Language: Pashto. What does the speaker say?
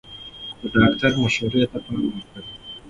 د ډاکټر مشورې ته پام وکړئ.